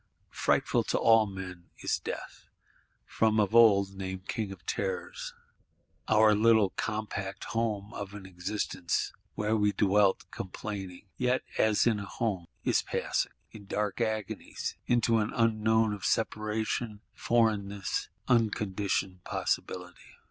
Frightful to all men is Death; from of old named King of Terrors. Our little compact home of an Existence, where we dwelt complaining, yet as in a home, is passing, in dark agonies, into an Unknown of Separation, Foreignness, unconditioned Possibility.